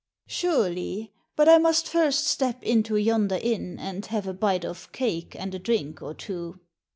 "Surely, but I must first step into yonder inn and have a bite of cake and a drink or two."